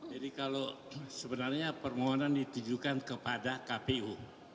jadi kalau sebenarnya permohonan ditujukan kepada kpu